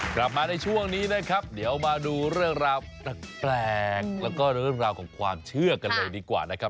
กลับมาในช่วงนี้นะครับเดี๋ยวมาดูเรื่องราวแปลกแล้วก็เรื่องราวของความเชื่อกันเลยดีกว่านะครับ